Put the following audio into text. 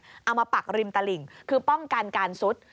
เอามาปักริมตลิ่งคือป้องกันการซุด